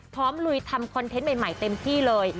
ลุยทำคอนเทนต์ใหม่เต็มที่เลย